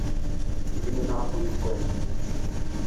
Gnen ɣef udekkan.